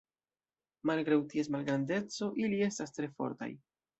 Malgraŭ ties malgrandeco, ili estas tre fortaj.